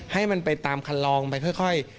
ให้มันไปตามคันลองไปค่อย